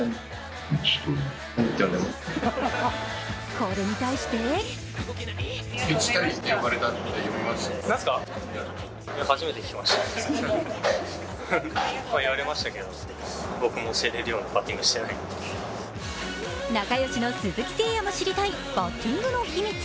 これに対して仲よしの鈴木誠也も知りたいバッティングの秘密。